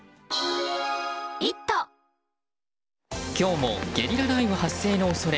今日もゲリラ雷雨発生の恐れ。